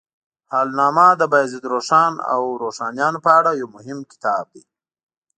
حالنامه د بایزید روښان او روښانیانو په اړه یو مهم کتاب دی.